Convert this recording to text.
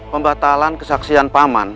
pembatalan kesaksian paman